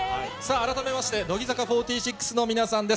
改めまして、乃木坂４６の皆さんです。